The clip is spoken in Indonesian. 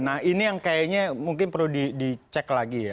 nah ini yang kayaknya mungkin perlu dicek lagi ya